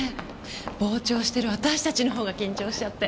傍聴してる私たちの方が緊張しちゃって。